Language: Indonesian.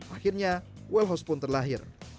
akhirnya wellhost pun terlahir